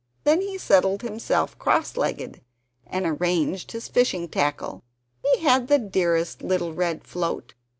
Then he settled himself cross legged and arranged his fishing tackle. He had the dearest little red float.